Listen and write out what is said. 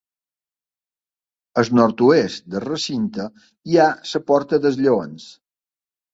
Al nord-oest del recinte hi ha la Porta dels Lleons.